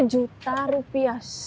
sepuluh juta rupiah